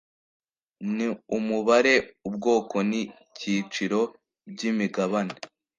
n umubare ubwoko n icyiciro by imigabane